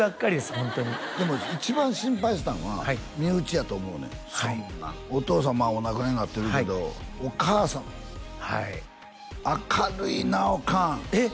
ホントにでも一番心配したんは身内やと思うねんそんなんお父様はお亡くなりになってるけどお母さんはい明るいなオカンえっ？